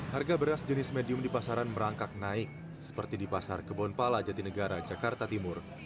harga beras jenis medium di pasaran merangkak naik seperti di pasar kebonpala jatinegara jakarta timur